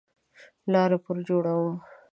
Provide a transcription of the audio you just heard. لار پر جوړومه